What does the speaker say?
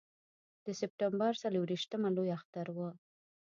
د سپټمبر څلرویشتمه لوی اختر و.